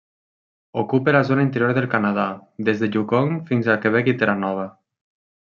Ocupa la zona interior del Canadà des de Yukon fins al Quebec i Terranova.